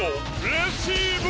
レシーブ！